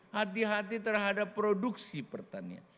hati hati terhadap produksi pertanian